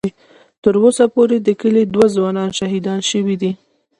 ـ تر اوسه پورې د کلي دوه ځوانان شهیدان شوي دي.